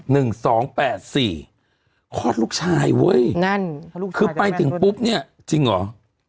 หนึ่งสองแปดสี่คลอดลูกชายเว้ยนั่นลูกชายคือไปถึงปุ๊บเนี้ยจริงเหรอ